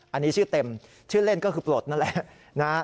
อันนี้ชื่อเต็มชื่อเล่นก็คือปลดนั่นแหละนะฮะ